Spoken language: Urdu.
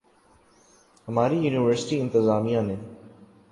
ہماری یونیورسٹی انتظامیہ نے